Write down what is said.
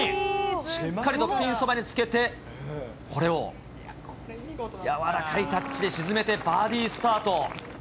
しっかりとピンそばにつけて、これをやわらかいタッチで沈めてバーディースタート。